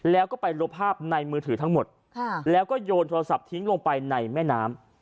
แล้วก็ไปลบภาพในมือถือทั้งหมดแล้วก็โยนโทรศัพท์ทิ้งลงไปในแม่น้ำ